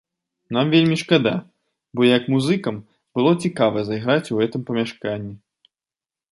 Нам вельмі шкада, бо як музыкам было цікава зайграць у гэтым памяшканні.